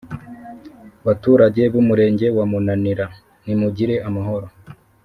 baturage b’umurenge wa munanira, nimugire amahoro